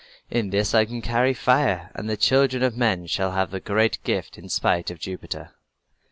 In this I can carry fire, and the children of men shall have the great gift in spite of Jupiter."